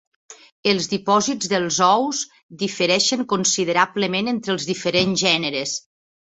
Els dipòsits dels ous difereixen considerablement entre els diferents gèneres.